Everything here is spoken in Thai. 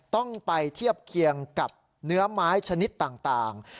ต้องไปเทียบเคียงกับเนื้อไม้ชนิดต่าง